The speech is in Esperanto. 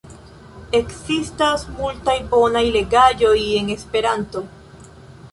Ekzistas multaj bonaj legaĵoj en Esperanto.